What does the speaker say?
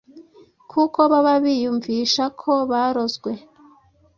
kuko baba biyumvisha ko barozwe.